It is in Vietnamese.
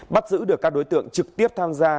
bắt giữ được các đối tượng trực tiếp tham gia